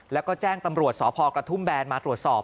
แล้วก็แจ้งตำรวจสพกระทุ่มแบนมาตรวจสอบ